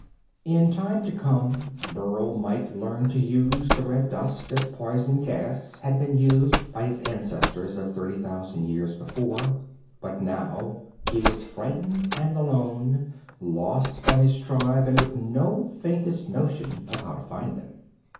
In time to come, Burl might learn to use the red dust as poison gas had been used by his ancestors of thirty thousand years before, but now he was frightened and alone, lost from his tribe, and with no faintest notion of how to find them.